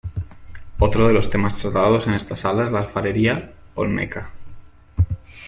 Otro de los temas tratados en esta sala, es la alfarería olmeca.